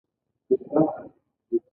ابن بطوطه په دښتونو او ځنګلونو کې ګرځي.